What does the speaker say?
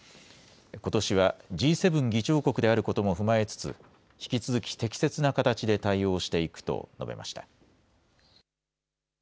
ことしはＧ７議長国であることも踏まえつつ、引き続き適切な形で対応していくと述べました。